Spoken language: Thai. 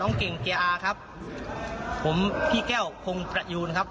เก่งเกียร์อาครับผมพี่แก้วคงประยูนครับ